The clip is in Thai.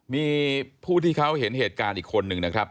มีผู้ที่เขาเห็นเหตุการณ์อีกคนนึงนะครับ